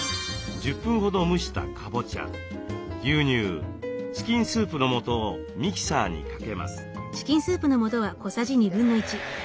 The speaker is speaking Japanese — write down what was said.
１０分ほど蒸したかぼちゃ牛乳チキンスープの素をミキサーにかけます。